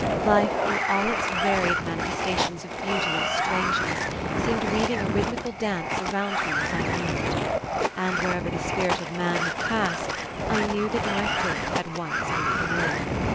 Life in all its varied manifestations of beauty and strangeness seemed weaving a rhythmical dance around me as I moved, and wherever the spirit of man had passed I knew that my foot had once been familiar.